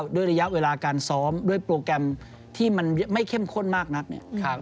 ด้วยระยะเวลาการซ้อมด้วยโปรแกรมที่มันไม่เข้มข้นมากนักเนี่ย